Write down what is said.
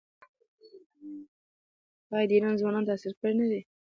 آیا د ایران ځوانان تحصیل کړي نه دي؟